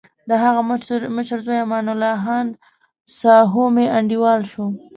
دهغه مشر زوی امان الله ساهو مې انډیوال شو.